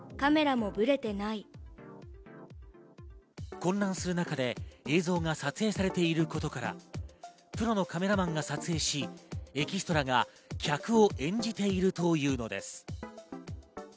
混乱する中で映像が撮影されていることから、プロのカメラマンが撮影し、エキストラが客を演じているというのです。